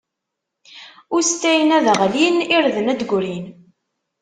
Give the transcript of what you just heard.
Ustayen ad ɣlin, irden ad d-grin.